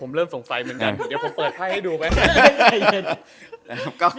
ผมเริ่มสงสัยเหมือนกันเดี๋ยวผมเปิดไพ่ให้ดูไหม